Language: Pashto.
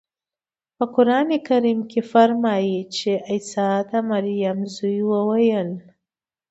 په قرانکریم کې فرمایي چې عیسی د مریم زوی وویل.